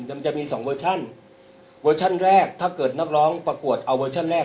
มันจะมีสองเวอร์ชันเวอร์ชันแรกถ้าเกิดนักร้องประกวดเอาเวอร์ชั่นแรก